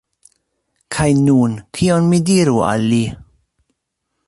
Kaj nun, kion mi diru al li?